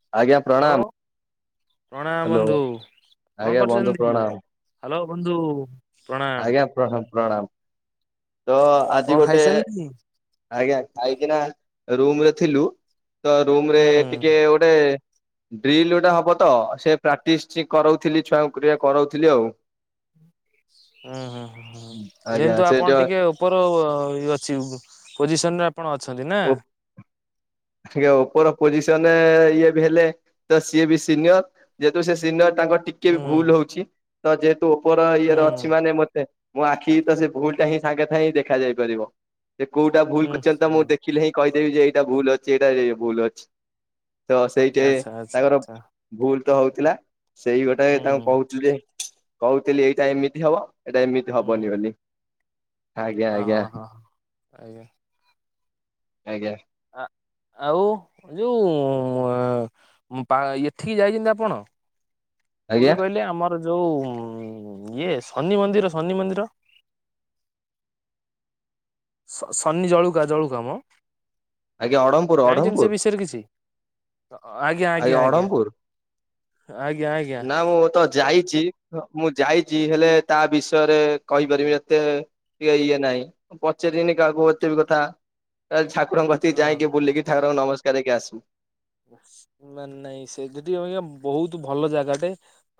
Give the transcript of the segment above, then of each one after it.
ଆଜ୍ଞା ହାଲୋ। ପ୍ରଣାମ। ପ୍ରଣାମ ହ୍ୟାଲୋ ବନ୍ଧୁ, କଣ ଆଜ୍ଞା ବନ୍ଧୁ କରୁଛନ୍ତି, ପ୍ରଣାମ ହାଲୋ ବନ୍ଧୁ। ପ୍ରଣାମ ଆଜ୍ଞା ପ୍ରଣାମ ପ୍ରଣାମ ତ କଣ ଆଜି ଗୋଟେ ଖାଇସାରିଲେଣି? ଆଜ୍ଞା ଖାଇକିନା ରୁମରେ ଥିଲୁ ତ ରୁମ୍ ରେ ହୁଁ ଟିକେ ଗୋଟେ ଡ୍ରିଲ୍ ଗୋଟେ ହବ ତ ସେ ପ୍ରାକ୍ଟିସ୍ କରଉଥିଲି ଛୁଆଙ୍କୁ ଟିକେ କରଉଥିଲି ଆଉ। ହୁଁ, ହୁଁ, ହୁଁ ଆଜ୍ଞା ଯେନ୍ତୁ ଆପଣ ସେଟା ଟିକେ ଉପର ଅ ଅଛି ପୋଜିସନରେ ଆପଣ ଅଛନ୍ତି ନା। ଟିକିଏ ଉପର ପୋଜିସନରେ ଇଏ ବି ହେଲେ ତ ସିଏ ବି ସିନିୟର। ଯେହେତୁ ସେ ସିନିଅର୍ ତାଙ୍କର ଟିକେ ହୁଁ ବି ଭୁଲ ହଉଛି ତ ଯେହେତୁ ଉପର ଇଏରେ ହୁଁ ଅଛି ମାନେ ମତେ ମୋ ଆଖିକି ତ ସେ ଭୁଲଟା ହିଁ ସାଙ୍ଗେ ସାଙ୍ଗେ ହିଁ ଦେଖାଯାଇ ପାରିବ। ସେ କୋଉଟା ଭୁଲ୍ ହୁଁ କରିଛନ୍ତି ତ ମୁଁ ହୁଁ ଦେଖିଲେ ହିଁ କହିଦେବି ଯେ ଏଇଟା ଭୁଲ୍ ଅଛି ଏଇଟା ଭୁଲ୍ ଅଛି। ତ ସେଇଟେ ଆଚ୍ଛା ଆଚ୍ଛା ତାଙ୍କର ଆଚ୍ଛା ଭୁଲ୍ ତ ହଉଥିଲା। ସେଇ ଗୋଟାଏ ତାଙ୍କୁ ହୁଁ କହୁଚି ଯେ କହୁଥିଲି ଏଇଟା ଏମିତି ହବ। ଏଟା ଏମିତି ହବନି ହୁଁ ବୋଲି ଆଜ୍ଞା ଅ ଆଜ୍ଞା। ହଁ ହଁ ଆଜ୍ଞା। ଆଜ୍ଞା। ଆ ଆଉ ଯୋଉ ଉଁ ପା ଏଠିକି ଯାଇଚିନ୍ତି ଆପଣ? ଆଜ୍ଞା କୋଉଠି କହିଲେ ଆମର ଯୋଉ ଇଏ ଶନି ମନ୍ଦିର ଶନି ମନ୍ଦିର? ସନି ଜଳୁକା ଜଳୁକା ମ। ଆଜ୍ଞା ଅଢମପୁର ଜାଣିଛନ୍ତି ଅଢମପୁର ସେ ବିଷୟରେ କିଛି। ଅ ଆଜ୍ଞା, ଆଜ୍ଞା, ଆଜ୍ଞା, ଆଜ୍ଞା ଆଜ୍ଞା। ନା ମୁଁ ତ ଯାଇଚି ମୁଁ ଯାଇଚି ହେଲେ ତା ବିଷୟରେ ହୁଁ କହିପାରିବି ଏତେ ଟିକେ ଇଏ ନାଇଁ ପଚାବିରିନି କାହାକୁ ଏତେ ବି କଥା ତା ଛା ଠାକୁରଙ୍କ କତିକି ହଁ। ଯାଇଁକି ବୁଲିକି ଠାକୁରଙ୍କୁ ନମସ୍କାର ହେଇକି ଆସିବି। ନା ନାଇଁ ସେଠି ଅବିକା ବହୁତ ଭଲ ଜାଗାଟେ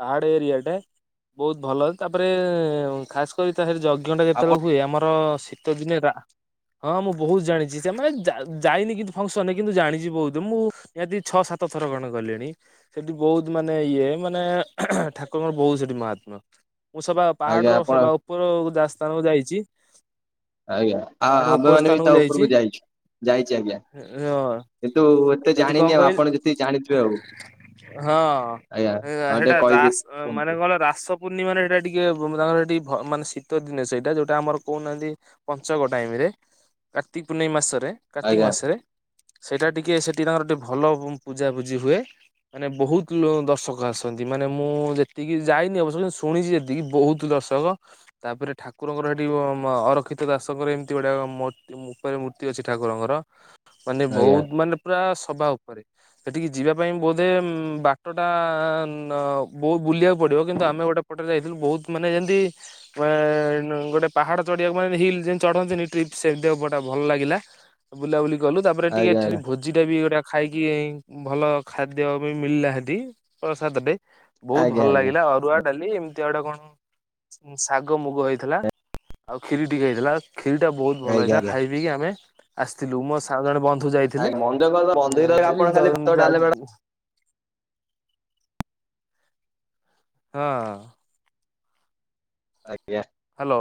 ପାହାଡ ଏରିଆ ଟେ ବହୁତ ଭଲ ତାପରେ ଖାସ୍ କରି ତା ସେଠି ଯଜ୍ଞ ଟା ଆପଣ ଯେତେବେଳେ ହୁଏ ଆମର ସି ଶୀତଦିନେ ରା ହଁ ମୁଁ ବହୁତ ଜାଣିଛି ସେମାନେ ଯା ଯାଇନି କିନ୍ତୁ ଫଙ୍କସନ୍ ରେ କିନ୍ତୁ ଜାଣିଛି ବହୁତ ମୁଁ ନିହାତିକି ଛଅ ସାତ ଥର ଖଣ୍ଡେ ଗଲିଣି। ସେଠି ବହୁତ ମାନେ ଇଏ ମାନେ ଠାକୁରଙ୍କର ବହୁତ ସେଠି ମହାତ୍ମ୍ୟ ମୁଁ ସବା ଆଜ୍ଞା ପାହାଡର ଆପଣ ସବା ଉପର ଯା ସ୍ଥାନକୁ ଯାଇଛି। ଆଜ୍ଞା ଆଉ ପାହାଡ ଉପର ଆମେମାନେ ବି ସ୍ଥାନକୁ ତା ଯାଇଛି। ଉପରକୁ ଯାଇଛୁ ଯାଇଛି ଆଜ୍ଞା। ହଁ କିନ୍ତୁ ଏତେ ସେଇଠି କଣ ଜାଣିନି ଆଉ କହିଲେ ଆପଣ ଯେତିିକି ଜାଣିଥିବେ ଆଉ। ହଁ ଆଜ୍ଞା ହଁ ଟିକେ ହେଟା କହିଦେ ଦାସ୍ ମାନେ କୁହନ୍ତୁ କଣ ରାସ ପୂର୍ଣ୍ଣିମାରେ ହେଟା ଟିକେ ତାଙ୍କର ଏଠି ମାନେ ଶୀତ ଦିନେ ସେଇଟା ଯୋଉଟା ଆମର କହୁନାହାନ୍ତି ପଞ୍ଚକ ଟାଇମ୍ ରେ କାର୍ତ୍ତିକପୁନେଇ ମାସରେ କାର୍ତ୍ତିକ ଆଜ୍ଞା ମାସରେ ସେଇଟା ଟିକେ ସେ ଟିକେ ତାଙ୍କର ଟିକେ ଭଲ ପୂଜା ପୂଜିି ହୁଏ। ମାନେ ବହୁତ ଲୋ ଦର୍ଶକ ଆସନ୍ତି ମାନେ ମୁଁ ଯେତିକି ଯାଇନି ଅବଶ୍ୟ ଶୁଣିଛି ଯେତିକି ବହୁତ ଦର୍ଶକ ତାପରେ ଠାକୁରଙ୍କର ହେଠି ଅରକ୍ଷିତ ଦାସଙ୍କର ଏମିତି ଗୁଡାକ ମ ଉପରେ ମୂର୍ତ୍ତି ଅଛି ଠାକୁରଙ୍କର ମାନେ ଆଜ୍ଞା ବହୁତ ମାନେ ପୁରା ସବା ଉପରେ। ହେଠିକି ଯିବା ପାଇଁ ବୋଧେ ବାଟଟା ବହୁ ବୁଲିବାକୁ ପଡ଼ିବ କିନ୍ତୁ ଆମେ ଗୋଟେ ଏପଟେ ଯାଇଥିଲୁ ବହୁତ ମାନେ ଯେମିତି ମା ଏଇନୁ ଗୋଟେ ପାହାଡ ଚଢିବାକୁ ମାନେ ହିଲ୍ ଯେ ଚଢନ୍ତିନି ଟ୍ରିପ୍ ସେମତିଆ ଉପରଟା ଭଲ ଲାଗିଲା। ବୁଲାବୁଲି କଲୁ ତାପରେ ଟିକେ ଆଜ୍ଞା ଆଜ୍ଞା ଏଠିରି ଭୋଜିଟା ବି ଗୋଟା ଖାଇକି ଏଇ ଉ, ଭଲ ଖାଦ୍ୟ ବି ମିଳଲା ସେଠି ପ୍ରସାଦ ଟେ। ବହୁତ ଆଜ୍ଞା ଭଲ ଆଜ୍ଞା ଲାଗିଲା ଅରୁଆ, ଡାଲି ଏମ ତି ଆଉ ଗୋଟେ କଣ? ଉଁ, ଶାଗ ମୁଗ ହେଇଥିଲା, ଆଉ ଖିରୀ ଟିକେ ହେଇଥିଲା ଆଉ। ଖୀରିଟା ବହୁତ ଭଲ ଆଜ୍ଞା ହେଇଥିଲା ଆଜ୍ଞା ଖାଇ ପିଇକି ଆମେ ଆସିଥିଲୁ। ମୋ ସାଙ୍ଗର ବନ୍ଧୁ ଯାଇଥିଲେ। କେବଳ ମନ୍ଦିରରେ ଯଦି ଆପଣ ଦ ଖାଲି ଭାତ, ଯା ଡାଲମା ଟା ହଁ। ଆଜ୍ଞା। ହାଲୋ।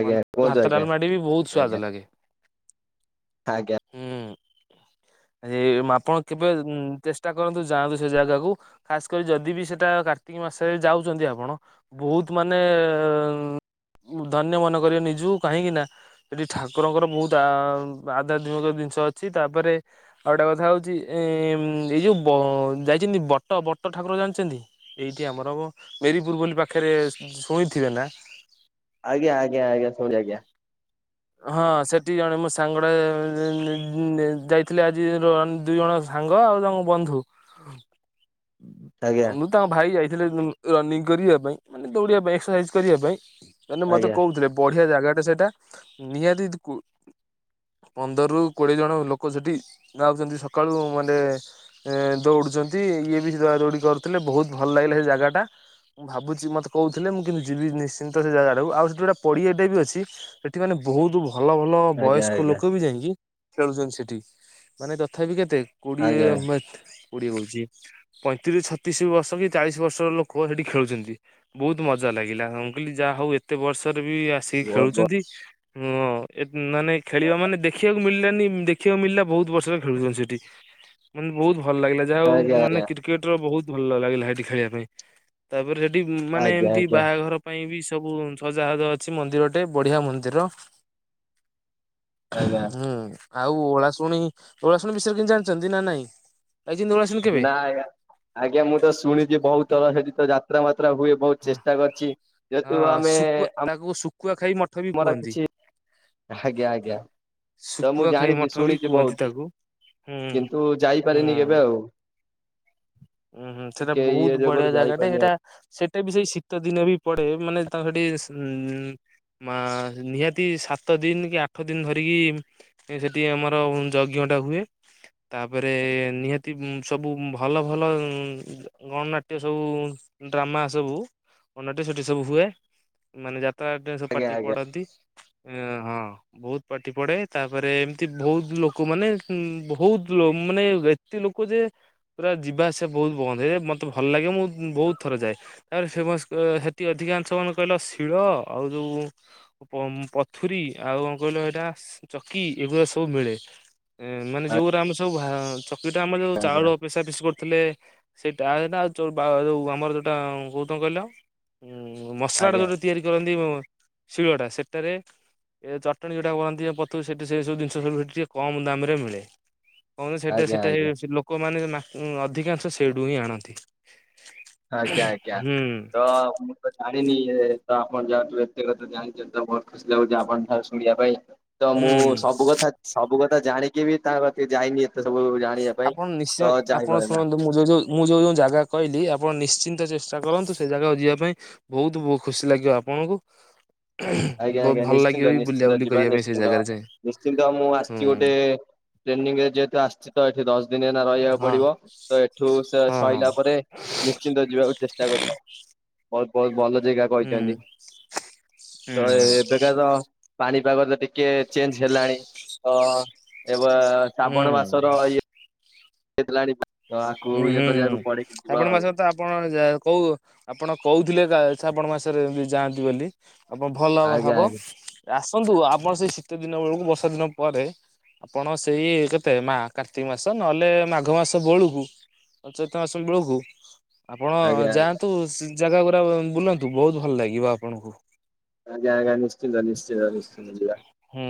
ଆଜ୍ଞା କୁହନ୍ତୁ ଭାତ ଆଜ୍ଞା, ଡାଲମାଟି ବି ବହୁତ ସ୍ଵାଦ ଆଜ୍ଞା, ଲାଗେ। ଆଜ୍ଞା। ଆ [inaudible] ହୁଁ ଏ, ମା-ଆପଣ କେବେ ଉଁ, ଚେଷ୍ଟା କରନ୍ତୁ ଯାଆନ୍ତୁ ସେ ଜାଗାକୁ। ଖାସ୍ କରି ଯଦି ବି ସେଟା କାର୍ତ୍ତିକ ମାସରେ ଯାଉଚନ୍ତି ଆପଣ ବହୁତ ମାନେ ଏ, ଧନ୍ୟ ମନେ କରିବେ ନିଜକୁ କାହିଁକି ନା ସେଠି ଠାକୁରଙ୍କର ବହୁତ ଆ, ବା ଯାଦୁ ପକା ଦିନିଷ ଅଛି ତାପରେ ଆଉ ଗୋଟେ କଥା ହଉଚି ଏ, ଉଁ, ଏଇ ଯୋଉ ବ-ଯାଇଚନ୍ତି ବଟ ବଟ ଠାକୁର ଜାଣିଛନ୍ତି? ଏଇଠି ଆମର ମେରିପୁର ବୋଲି ପାଖରେ ଶୁଣିଥିବେ ନା? ଆଜ୍ଞ, ଆଜ୍ଞ, ଆଜ୍ଞା, ଶୁଣି ଆଜ୍ଞା। ହଁ ସେଠିକି ଜଣେ ମୋ ସାଙ୍ଗଟା ଯାଇଥିଲି ଆଜିର ଆନ ଦୁଇ ଜଣ ସାଙ୍ଗ ଆଉ ତାଙ୍କ ବନ୍ଧୁ। ଆଜ୍ଞା ତାଙ୍କ ଭାଇ ଯାଇଥିଲେ ଉଁ, ରନିଂ କରିବା ପାଇଁ ମାନେ ଦୌଡିବା ପାଇଁ ଏକ୍ସସାଇଜ କରିବା ପାଇଁ। ଏନେ ମୋତେ ଆଜ୍ଞା କହୁଥିଲେ ବଢିଆ ଜାଗାଟା ସେଇଟା ନିହାତି ଦିକୁ ପନ୍ଦରରୁ, କୋଡିଏ ଜଣ ଲୋକ ସେଠି ଯାଉଚନ୍ତି ସକାଳୁ ମାନେ ଏ ଦୌଡ଼ୁଚନ୍ତି ଇଏ ବି ସେ ଦୌଡ଼ା ଦୌଡ଼ି କରୁଥିଲେ ବହୁତ ଭଲ ଲାଗିଲା ସେ ଜାଗାଟା। ମୁଁ ଭାବୁଛି ମୋତେ କହୁଥିଲେ ମୁଁ କିନ୍ତୁ ଯିବି ନିଶ୍ଚିନ୍ତ ସେ ଜାଗା ଟାକୁ। ଆଉ ସେଠି ଗୋଟେ ପଡିଆ ଟେ ବି ଅଛି। ସେ ସେଠ ମାନେ ବହୁତ ଭଲ ଭଲ ଆଜ୍ଞା ବୟସ୍କ ଆଜ୍ଞା ଲୋକ ବି ଯାଇକି ଖେଳୁଛନ୍ତି ସେଠି, ମାନେ ତଥାପି କେତେ କୋଡିଏ ଆଜ୍ଞା ମେଥ୍ କୋଡିଏ କହୁଚି ପଇଁତିରିଶ, ଛତିଶ ବର୍ଷ କି ଚାଳିଶ ବର୍ଷର ଲୋକ ସେଠି ଖେଳୁଛନ୍ତି। ବହୁତ ମଜା ଲାଗିଲା, ହଁ ମୁଁ କହିଲି ଯାହା ହଉ ଏତେ ବର୍ଷରେ ବି ଆସ କି ବହୁତ ଖେଳୁଛନ୍ତି, ବହୁତ ଉଅଁ, ଏ ମାନେ ଖେଳିବା ମାନେ ଦେଖିବାକୁ ମିଳିଲାନି ଦେଖିବାକୁ ମିଳିଲା ବହୁତ ବର୍ଷରେ ଖେଳୁଛନ୍ତି ସେଠି ମାନେ ବହୁତ ଭଲ ଲାଗିଲା। ଯାହା ହଉ ଆଜ୍ଞା ମାନେ କ୍ରିକେଟ୍ ର ବହୁତ ଭଲ ଲାଗିଲା ସେଇଠି ଖେଳିବା ପାଇଁ। ତାପରେ ସେଠି ମାନେ ଆଜ୍ଞା ଏମତି ଆଜ୍ଞା ବାହାଘର ପାଇଁ ବି ସବୁ ସଜାହାଜ ଅଛି ମନ୍ଦିର ଟେ ବଢିଆ ମନ୍ଦିର। ଆଜ୍ଞା ଆଜ୍ଞା ହୁଁ, ଆଉ ଓଳାଶୁଣି ଓଳାଶୁଣି ବିଷୟରେ କି ଜାଣିଚନ୍ତି ନା ନାଇଁ? ଆ, ଯେମିତି ଓଳାଶୁଣି ନା ଆଜ୍ଞା, ଆଜ୍ଞା ମୁଁ ତ ଶୁଣିଚି ବହୁତ ଥର ସେଠି ତ ଯାତ୍ରା ମାତ୍ରା ହୁଏ। ବହୁତ ହଁ। ଚେଷ୍ଟା କରିଛି ଯେହେତୁ ଆମେ ଆମ କୁୁଆ ଖାଇ ମଠ ବି କୁହନ୍ତି। ଆଜ୍ଞା ଆଜ୍ଞା ତ ମୁଁ ଶୁଖୁଆ ଖାଇ ଜାଣିଚି ମଠ ବି ଶୁଣିଚି କୁହନ୍ତି ବହୁତ। ତାକୁ ହୁଁ କିନ୍ତୁ ଯାଇପାରିନି କେବେ ଆଉ। ଉଁ, ହୁଁ, ସେଟା ଟିକେ ଇଏ ବହୁତ ଯୋଗୁରୁ ବଢିଆ ଜାଗାଟେ, ଯାଇପାରିନି ଆଉ ସେଟା ଏଟା ବି ସେଇ ଶୀତ ଦିନେ ବି ପଡେ ମାନେ ତାଙ୍କର ଟିକେ ସେ ମା ନିହାତି ସାତ ଦିନି କି ଆଠ ଦିନି ଧରିକି ସେ ସେଠି ଆମର ଉଁ ଯଜ୍ଞଟା ହୁଏ। ତାପରେ ନିହାତି ଉଁ ସବୁ ଭଲ ଭଲ ଉଁ ଗଣନାଟ୍ୟ ସବୁ ଡ୍ରାମା ସବୁ ଗଣନାଟ୳ ସେଠି ସବୁ ହୁଏ ମାନେ ଯାତ୍ରା ଆତ୍ରା ସବୁ ଆଜ୍ଞା ପାଟି ଆଜ୍ଞା ପଡନ୍ତି। ଏ ହଁ। ବହୁତ ପାଟି ପଡେ ତାପରେ ଏମିତି ବହୁତ ଲୋକ ମାନେ ଉଁ ବହୁତ ଲୋ ମାନେ ଏ ଏତେ ଲୋକ ଯେ ପୁରା ଯିବାଆସିବା ବହୁତ ବନ୍ଦ ହେଇଯାଏ ମତେ ଭଲ ଲାଗେ ମୁଁ ବହୁତ ଥର ଯାଏ। ତାର ଫେମସ୍ ଏ ହେଟି ଅଧିକାଂଶ ମାନେ କହିଲ ଶିଳ ଆଉ ଯୋଉ ପମ୍ ପଥୁରୀ ଆଉ କଣ କହିଲ ଏଇଟା ସେ ଚକି ଏଗୁରା ସବୁ ମିଳେ। ଏଁ ମାନେ ଯୋଉରା ଆମ ସବୁ ଭା ଚକିଟା ଆମର ଯୋଉ ଚାଉଳ ପେସା ପେଷି କରୁ ଥିଲେ ସେଇଟା [unintelligible] ଆମର ଯୋଉଟା [unintelligible] କହିଲ। ଉଁ ମସଲା ଟା ଆଜ୍ଞା ଯୋଉଟା ତିଆରି କରନ୍ତି ଉଁ ଶିଳୁଆଟା ସେଟାରେ ଏ ଚଟଣି ଯେଉଁଟା କହନ୍ତି ପଥରୁ ସେଠି ସେ ସବୁ ଜିନିଷ ସବୁ ମିଳୁଚି କମ୍ ଦାମରେ ମିଳେ। ଆଜ୍ଞା ଆଜ୍ଞା [unintelligible] ଲୋକମାନେ ମା ଉଁ ଅଧିକାଂଶ ସେଇଠୁ ହିଁ ଆଣନ୍ତି। ଆଜ୍ଞା ଆଜ୍ଞା ହୁଁ ତ ତ ଜାଣିନି ଏ ତ ଆପଣ ଯେହେତୁ ଏତେକଥା ଜାଣିଛନ୍ତି ତ ବହୁତ ଖୁସି ଲାଗୁଛି ଆପଣ ଠାରୁ ଶୁଣିବା ପାଇଁ। ତ ମୁଁ ହୁଁ। ସବୁ କଥା ସବୁ କଥା ଜାଣିକି ବି ତା କତିକି ଯାଇନି ସେସବୁ ଜାଣିବା ପାଇଁ ଆପଣ ନିଶ୍ଚୟ ତ ଚାହିଁ ଆପଣ ରହିଲା। ଶୁଣନ୍ତୁ ମୁଁ ଯୋଉ ଯୋଉ ମୁଁ ଯୋଉ ଯୋଉ ଜାଗା କହିଲି ଆପଣ ନିଶ୍ଚିନ୍ତ ଚେଷ୍ଟା କରନ୍ତୁ ସେ ଜାଗାକୁ ଯିବା ପାଇଁ। ବହୁତ ବୁ ଖୁସି ଲାଗିବ ଆପଣଙ୍କୁ। ଆଜ୍ଞା ବହୁତ ଆଜ୍ଞା ଭଲ ଲାଗିବ ନିଶ୍ଚିନ୍ତ ବି ନିଶ୍ଚିନ୍ତ ବୁଲାବୁଲି ଯିବା କରିବା ପାଇଁ ସେ ନିଶ୍ଚିନ୍ତ ଜାଗାରେ ଯାଇ। ନିଶ୍ଚିନ୍ତ ମୁଁ ହୁଁ ଆସିଛି ଗୋଟେ ଟ୍ରେନିଂରେ ଯେହେତୁ ଆସିଛି ତ ଏଠି ଦଶ ଦିନ ଏଇନା ରହିଆକୁ ହଁ ପଡିବ ତ ଏଠୁ ସେ ହଁ ହଁ ସଇଲା ପରେ ନିଶ୍ଚିନ୍ତ ଯିବାକୁ ଚେଷ୍ଟା କରିବ ବହୁତ ବହୁତ ଭଲ ଜେଗା ହୁଁ। ତ ହୁଁ ଏବେକା ତ ପାଣିପାଗ ତ ଟିକେ ଚେଞ୍ଜ ହେଲାଣି ତ ଏବା ହୁଁ ଶ୍ରାବଣ ହୁଁ। ମାସର ଇଏ [unintelligible] ତ ଆକୁ ହୁଁ ଇଏ ହୁଁ ହୁଁ କରିବାକୁ ପଡିକି ଯିବ ଶ୍ରାବଣ ଆଉ। ମାସ ତ ଆପଣ ଯା କଉ ଆପଣ କଉଥିଲେ ତା ଶ୍ରାବଣ ମାସରେ ଏମତି ଯାଆନ୍ତି ବୋଲି। ଆପଣ ଭଲ ହବ ଆଜ୍ଞା ହବ ଆଜ୍ଞା ଆସନ୍ତୁ ଆପଣ ସେଇ ଶୀତ ଦିନ ବେଳକୁ ବର୍ଷା ଦିନ ପରେ। ଆପଣ ସେଇ କେତେ ମା କାର୍ତ୍ତିକ ମାସ ନହେଲେ ମାଘ ମାସ ବେଳୁକୁ [unintelligible] ମାସ ବେଳକୁ ଆପଣ ଆଜ୍ଞା ଆଜ୍ଞା ଯାଆ କୁ ସେ ଜାଗା ଗୁରା ବୁଲନ୍ତୁ ବହୁତ ଭଲ ଲାଗିବ ଆପଣଙ୍କୁ। ଆଜ୍ଞା ଆଜ୍ଞା ନିଶ୍ଚିନ୍ତ ନିଶ୍ଚିତ ନିଶ୍ଚି ହୁଁ।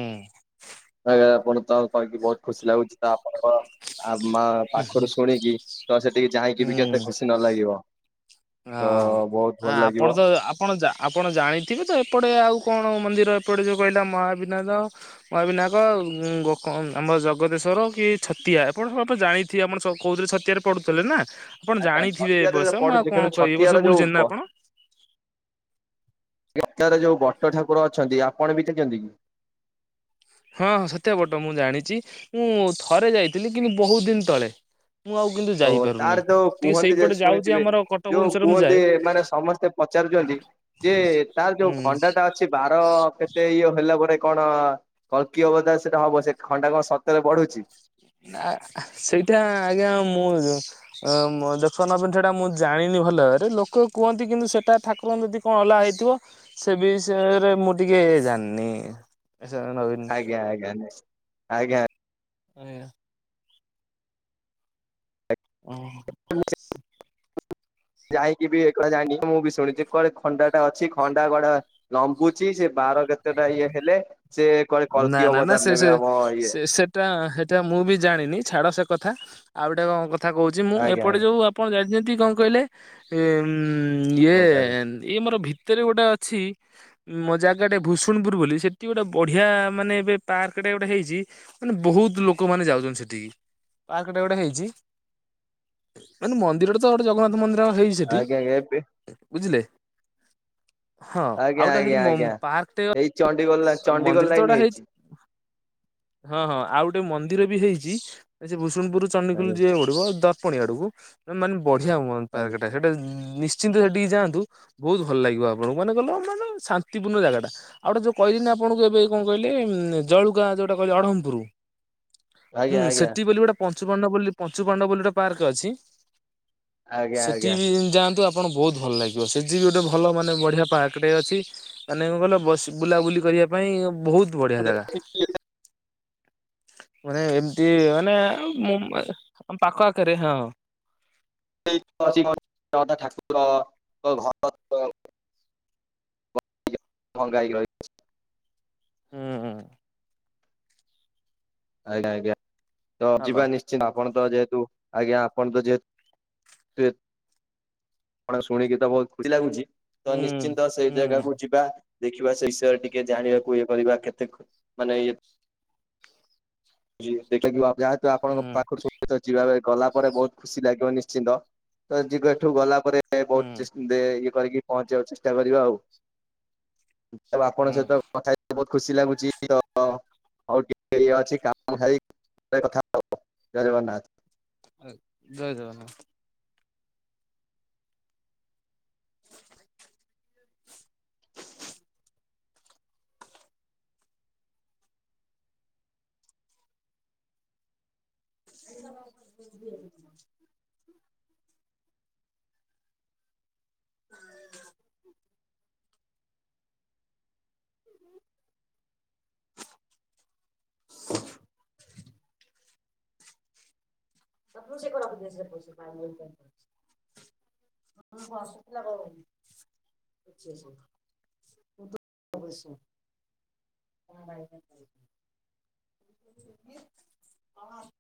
ଆଜ୍ଞା ଆପଣ ତ କହିକି ବହୁତ ଖୁସି ଲାଗୁଛି ତ ଆପଣଙ୍କ ଆଉମା ପାଖରୁ ଶୁଣିକି ତ ସେଠିକି ଯାଇଁକି ବି କେତେ ହୁଁ। ଖୁସି ନ ଲାଗିବ। ତ ହଁ ବହୁତ ଆ ଭଲ ଲାଗିବ। ଆପଣ ତ ଆପ ଆପଣ ଯା ଆପଣ ଜାଣିଥିବେ ତ ଏପଟେ ଆଉ କଣ ମନ୍ଦିର ଏପଟେ ଯୋଉ କହିଲା ମହାବିନାଦ। ମହାବିନାୟକ ଆଉ ଉଁ ଗ କ ଆମ ଜଗତେଶ୍ଵର କି ଛତିଆ ଆପଣ ସମତେ ଜାଣି ତି ଆପଣ ଛ କହୁଥିଲେ ଛତିଆରେ ପଡ଼ୁଥିଲେ ନା ଆପଣ ଆଜ୍ଞା ଜାଣିଥିବେ ଛତିଆରେ ଅବସ୍ୟ ମୁଁ ଆଉ ପଡୁଛି କିନ୍ତୁ କଣ କହିବି ଏ ଛତିଆର ବର୍ଷ ଯୋଉ ବୁଲିଛନ୍ତି ବ ନା ଆପଣ? [unintelligible] ଆରେ ଯୋଉ ବଟ ଠାକୁର ଅଛନ୍ତି ଆପଣ ଦେଖିଛନ୍ତି କି? ହଁ ହଁ ଛତିଆ ବଟ ମୁଁ ଜାଣିଚି ମୁଁ ଥରେ ଯାଇଥିଲି କିନ୍ତୁ ବୋହୁତ ଦିନ ତଳେ ମୁଁ ଆଉ କିନ୍ତୁ ଓହୋ ଯାଇପାରୁନି ତାର ଯୋଉ ଟିକେ କୁହନ୍ତି ଯେ ସେଇପଟେ ଯାଉଛି ଶୁଣିଥିବେ ଆମର କଟକ ଯୋଉ ଭୁବନେଶ୍ୱର ମୁଁ କୁହନ୍ତି ଯାଏ ଏମାନେ ସମସ୍ତେ ପଚାରୁଚନ୍ତି ଯେ ତାର ଯୋଉ ହୁଁ। ଖଣ୍ଡାଟା ଅଛି ବାର କେତେ ଇଓ ହେଲା ପରେ କଣ କଳ୍କୀ ଅବତାର ସେଟା ହବ ସେ ଖଣ୍ଡା କଁ ସତେରେ ବଢୁଚି। ନାଁ ସେଇଟା ଆଜ୍ଞା ମୁଁ ଆ ମୋ ଦେଖ ନବୀନ୍‌ ସେଇଟା ମୁଁ ଜାଣିନି ଭଲ ଭାବରେ ଲୋକ କୁହନ୍ତି କିନ୍ତୁ ସେଟା ଠାକୁରଙ୍କୁ ଯଦି କଁ ଅଲଗା ହେଇଥିବ ସେ ବିଷୟରେ ମୁଁ ଟିକେ ଜାନନି। [unintelligible] ଆଜ୍ଞା ଆଜ୍ଞା ନେସ୍ ଆଜ୍ଞା। [unintelligible] ଓହୋ। [inaudible] ଯାଇଁକି ବି ଏକଲା ଜାଣିନି ମୁଁ ବି ଶୁଣିଚି କୁଆଡେ ଖଣ୍ଡାଟା ଅଛି ଖଣ୍ଡା କୁଆଡେ ଲମ୍ବୁଚି ସେ ବାର କେତେଟା ଇଏ ହେଲେ ସେ କୁଆଡେ କଳ୍କି ଅବତାର ନେବେ ଆମ ଇଏ। ଟା ହେଟା ମୁଁ ବି ଜାଣିନି ଛାଡ ସେ କଥା ଆଉ ଗୋଟେ କଁ କଥା କହୁଛି ମୁଁ ଆଜ୍ଞା ଏପଟେ ଆଜ୍ଞା ଯୋଉ ଆପ୍ ପଣ ଜାଣିଚନ୍ତି କଁ କଇଲେ ଏ ଉଁ ଇଏ କୁହନ୍ତୁ ଆଜ୍ଞା ଏଇ ଆମର ଭିତେରେ ଗୋଟା ଅଛି ମ ଜାଗାଟେ ଭୂଷୁଣୁପୁର ବୋଲି ସେଠି ଗୋଟେ ବ ଢିଆ ମାନେ ଏବେ ପାର୍କଟେ ଗୋଟେ ହେଇଚି ମାନେ ବୋହୁତୁ ଲୋକମାନେ ଯାଉଛନ୍ତି ସେଠିକି। ପାର୍କଟା ଗୋଟେ ହେଇଚି ମାନେ ମନ୍ଦିରଟା ତ ଗୋଟେ ଜଗନ୍ନାଥ ମନ୍ଦି ର ହେଇଚି ସେଠି ଆଜ୍ଞା ଆଜ୍ଞା ଏବେ ବୁଝିଲେ। ହଁ ଆଉ ଗୋଟେ ସେଠି ମମ୍ ପାର୍କଟେ ଅ ଚଣ୍ଡିଖୋଲ ଲାଇନ୍ ଚଣ୍ଡିଖୋଲ ଲାଇନ୍ ହେଇଚି। ହଁ ହଁ ଆଉ ଗୋଟେ ମନ୍ଦିର ବି ହେଇଚି ଏ ସେ ଭୁଷୁଣ୍ଡପୁର ଚଣ୍ଡିଖୋଲ ଆଜ୍ଞା ଯିଏ ଗୋ ଡୁକୁ ଦର୍ପଣି ଆଡୁକୁ ମାନେ ବଢିଆ ହୁଅନ୍ତ ଆଜ୍ଞା ପାର୍କେଟା ସେଟା ନିଶ୍ଚିନ୍ତ ସେଠିକି ଯାଆନ୍ତୁ ବୋହୁତୁ ଭଲ ଲାଗିବ ଆପଣଙ୍କୁ ମାନେ ଗଲ ମାନେ ଶାନ୍ତିପୂର୍ଣ୍ଣ ଜାଗାଟା ଆଉ ଗୋଟେ ଯୋଉ କହିିଲିନି ଆ ପଣୁଙ୍କୁ ଏବେ କଁ କହିଲେ ଉଁ ଜଳୁକୁଆ ଯୋଉଟା କହିଲେ ଅଢମପୁରୁ ଆଜ୍ଞା ହୁଁ ଆଜ୍ଞା ସେଠି ବୋଲି ଗୋଟା ପଞ୍ଚୁପାଣ୍ଡବ ବୋଲି ପଞ୍ଚୁପାଣ୍ଡବ ବୋଲି ଗୋଟେ ପାର୍କ ଅଛି ଆଜ୍ଞା ସେଠି ଆଜ୍ଞା ବି ଯାଆନ୍ତୁ ଆ ଆପଣ ବୋହୁତ ଭଲ ଲାଗିବ ସେଯି ବି ଗୋଟେ ଭଲ ମାନେ ବଢିଆ ପାର୍କଟେ ଅଛି। ମାନେ କଁ କହିଲ ବସି ବୁଲାବୁଲି କରିବା ପାଇଁ ଭୋଉତ ବଢିଆ ଜାଗା। ମାନେ ଏମତି ମାନେ ମୋ ମେ ଆମ ପାଖ ଆଖେରେ ହଁ। [unintelligible] ଅଛି [unintelligible] ଠାକୁରଙ୍କ ଘର [unintelligible] ଭଙ୍ଗା ହେଇକି ରହିଛି। ହୁଁ ଉଁ। ଆଜ୍ଞା ଆଜ୍ଞା ତ ହ୍ୟାଲୋ ଯିବା ନିଶ୍ ଚିନ୍ତ ଆପଣ ତ ଯେହେତୁ ଆଜ୍ଞା ଆପଣ ତ ଯେହେତୁ ଏ କଣ ଶୁଣିକି ତ ବୋହୁତ ଖୁସି ଲାଗୁଚି ତ ହୁଁ ନିଶ୍ଚିନ୍ତ ସେଇ ହୁଁ ଜାଗାକୁ ଯିବା। ଦେଖିବା ସେଇ ବିଷୟରେ ଟିକେ ଜାଣିବାକୁ ଇଏ କରିବା କେତେ କଁ ମାନେ ଇଏ ଚି ଦେଖିଆକିଉ ଆପ୍ ଯାହାତୁ ଆପଣଙ୍କ ହୁଁ ପାଖୁରୁ ଶୁ [unintelligible] ଯିବାବେଏ ଗଲା ପରେ ବୋହୁତ ଖୁସି ଲାଗିବ ନିଶ୍ଚିନ୍ତ ତ ଯିବେ ଏଠୁ ଗଲା ପରେ ଏ ହୁଁ ବୋହୁତ ଚେଷ୍ ଦେ ଇଏ କରିକି ପହଞ୍ଚିବାକୁ ଚେଷ୍ଟା କରିବା ଆଉ ଏବେ ଆପଣଙ୍କ ହୁଁ ସହିତ କଥା ହେଇ ଏ ବୋହୁତ ଖୁସି ଲାଗୁଚି ତ ଆଉ ଟିକେ ଇଏ ଅଛି କା ମୁଁ ହେଇ [unintelligible] କଥା [unintelligible] ଜୟ ଜଗନ୍ନାଥ। ଆଗ୍ ଜୟ ଜଗନ୍ନାଥ। [inaudible] [inaudible] ସବୁ ସେ କଡ଼ରେ ରଖିଦେ ସେ ପଇସା [unintelligible] [unintelligible] ଅବଶ୍ୟ। [unintelligible]